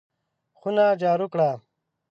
خونه جارو کړه!